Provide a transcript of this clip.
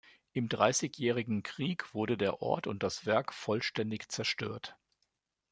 Im Dreißigjährigen Krieg wurde der Ort und das Werk vollständig zerstört.